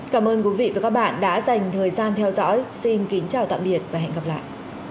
cảm ơn quý vị và các bạn đã dành thời gian theo dõi xin kính chào tạm biệt và hẹn gặp lại